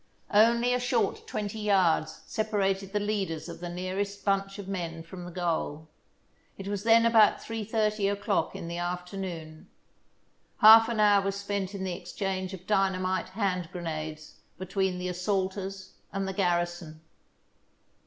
Only a short twenty yards separated the leaders of the nearest bunch of men from the goal. It was then about 3.30 o'clock in the afternoon. Half an hour was spent in the exchange of dynamite hand grenades between the as saulters and the garrison.